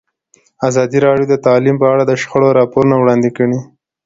ازادي راډیو د تعلیم په اړه د شخړو راپورونه وړاندې کړي.